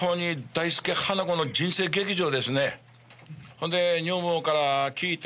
ほんで女房から聞いて。